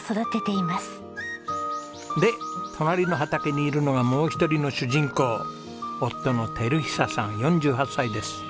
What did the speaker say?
で隣の畑にいるのがもう一人の主人公夫の照久さん４８歳です。